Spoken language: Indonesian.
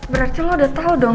berarti lo udah tau dong